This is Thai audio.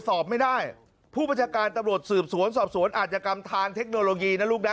สอบไม่ได้ผู้บัญชาการตำรวจสืบสวนสอบสวนอาจกรรมทางเทคโนโลยีนะลูกนะ